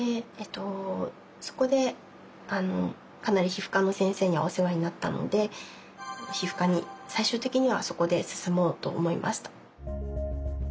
そこでかなり皮膚科の先生にはお世話になったので皮膚科に最終的にはそこで進もうと思いました。